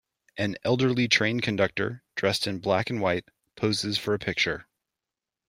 An elderly train conductor, dressed in black and white, posses for a picture.